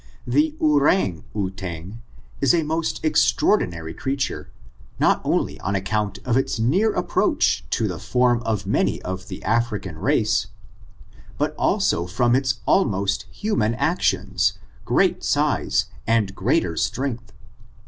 The ourang outang is a most extraordinary crea ture, not only on account of its near approach to the form of many of the African race, but also from its almost human actions, great size, and greater strength.